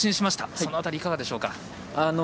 その辺り、いかがでしょうか？